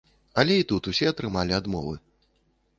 Але і тут усе атрымалі адмовы.